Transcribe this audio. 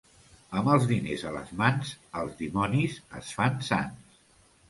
Amb els diners a les mans, els dimonis es fan sants.